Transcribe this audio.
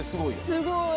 すごい。